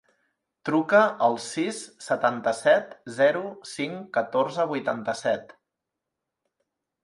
Truca al sis, setanta-set, zero, cinc, catorze, vuitanta-set.